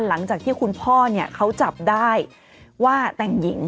หลังจากที่คุณพ่อเนี่ยเขาจับได้ว่าแต่งหญิง